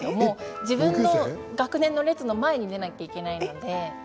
自分の学年の列の前に出ないといけないので。